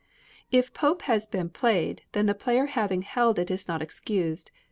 If Pope has been played, then the player having held it is not excused.